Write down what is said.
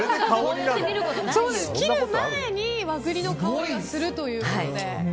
切る前に和栗の香りがするということで。